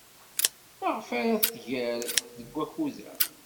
Maɣef ara d-tɣer deg wakud-a?